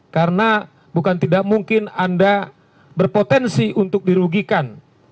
karena bukan tidak mungkin anda berpotensi untuk dirugikan